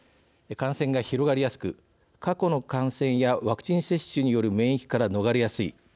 感染が広がりやすく過去の感染やワクチン接種による免疫から逃れやすい。